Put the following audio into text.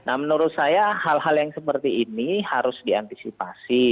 nah menurut saya hal hal yang seperti ini harus diantisipasi